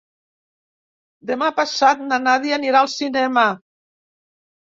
Demà passat na Nàdia anirà al cinema.